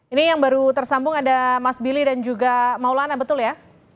ini yang baru tersambung ada mas billy dan juga maulana betul ya